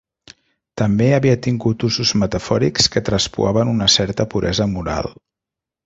També havia tingut usos metafòrics que traspuaven una certa puresa moral.